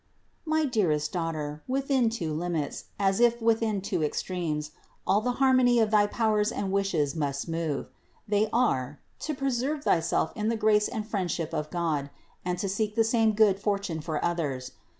259. My dearest daughter, within two limits, as if within two extremes, all the harmony of thy powers and wishes must move. They are : to preserve thyself in the grace and friendship of God, and to seek the same good fortune for others.